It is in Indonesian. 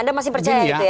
anda masih percaya gitu ya